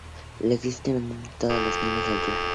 La iglesia tiene tres naves, todas de la misma altura.